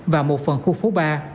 và một phần khu phố ba